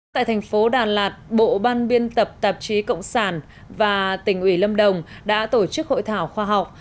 tại thành phố đà lạt bộ ban biên tập tạp chí cộng sản và tỉnh ủy lâm đồng đã tổ chức hội thảo khoa học